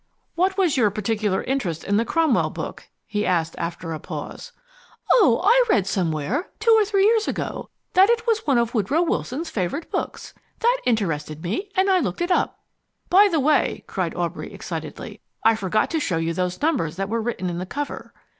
"What was your particular interest in the Cromwell book?" he asked after a pause. "Oh, I read somewhere two or three years ago that it was one of Woodrow Wilson's favourite books. That interested me, and I looked it up." "By the way," cried Aubrey excitedly, "I forgot to show you those numbers that were written in the cover."